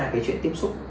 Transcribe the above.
cái chuyện tiếp xúc